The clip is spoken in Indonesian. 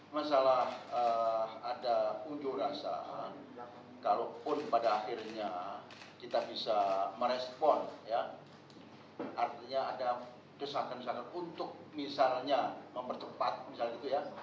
masalah ada unjuk rasa kalaupun pada akhirnya kita bisa merespon ya artinya ada desakan desakan untuk misalnya mempercepat misalnya gitu ya